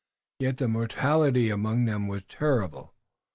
Yet the mortality among them was terrible.